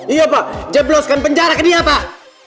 iya pak jebloskan penjara ke dia pak